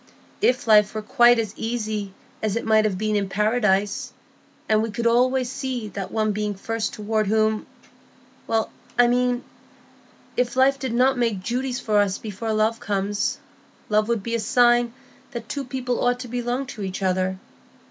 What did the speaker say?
If life were quite easy and simple, as it might have been in Paradise, and we could always see that one being first toward whom—I mean, if life did not make duties for us before love comes, love would be a sign that two people ought to belong to each other.